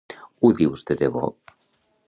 Ho dius de debò.